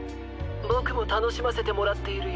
☎ボクもたのしませてもらっているよ。